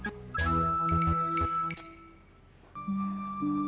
pertahankan pernikahan kamu